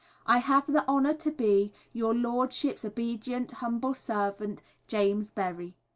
I have the honour to be Your Lordship's Obedient humble servant, JAMES BERRY.